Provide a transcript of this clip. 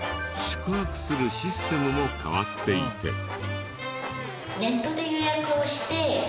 宿泊するシステムも変わっていて。